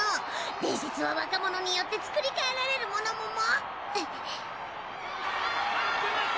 伝説は若者によってつくり変えられるものモモ！